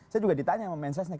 saya juga ditanya sama menses nek